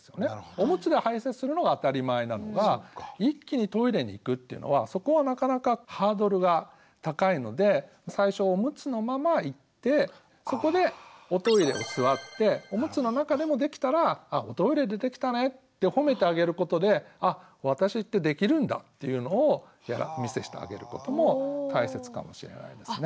オムツで排泄するのが当たり前なのが一気にトイレに行くっていうのはそこはなかなかハードルが高いので最初オムツのまま行ってそこでおトイレに座ってオムツの中でもできたら「あっおトイレでできたね」って褒めてあげることであっ私ってできるんだっていうのを見せてあげることも大切かもしれないですね。